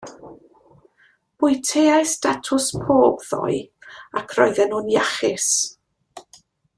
Bwyteais datws pob ddoe ac roedden nhw'n iachus.